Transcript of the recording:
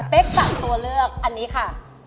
เป๊กตัดตัวเลือกอันนี้ค่ะ